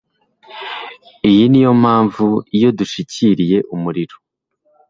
Iyi niyo mpamvu iyo dushikirije umuriro